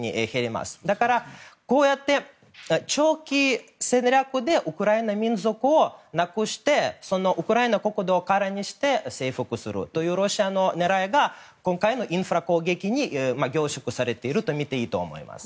こうやって長期戦略でウクライナ民族をなくしてウクライナ国土を空にして征服するというロシアの狙いが今回のインフラ攻撃に凝縮されているとみていいと思います。